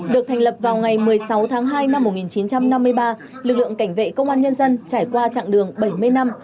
được thành lập vào ngày một mươi sáu tháng hai năm một nghìn chín trăm năm mươi ba lực lượng cảnh vệ công an nhân dân trải qua chặng đường bảy mươi năm